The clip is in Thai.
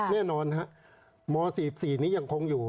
แน่นอนฮะม๔๔นี้ยังคงอยู่